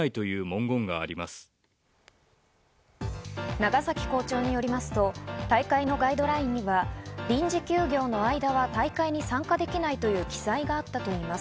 長崎校長によりますと、大会のガイドラインには臨時休業の間は大会に参加できないという記載があったといいます。